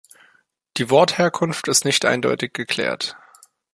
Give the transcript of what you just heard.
Die Wortherkunft ist nicht eindeutig geklärt.